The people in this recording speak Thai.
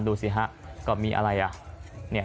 ดูสิฮะก็มีอะไรอ่ะ